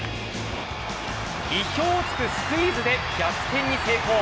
意表を突くスクイズで逆転に成功。